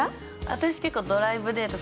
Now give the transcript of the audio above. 私結構ドライブデート